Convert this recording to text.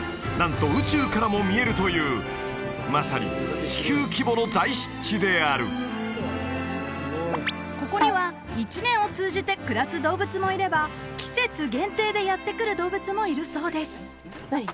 なんと宇宙からも見えるというまさに地球規模の大湿地であるここには一年を通じて暮らす動物もいれば季節限定でやって来る動物もいるそうです何？